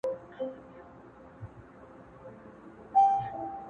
o په خپله کوڅه کي سپى هم، زمرى وي!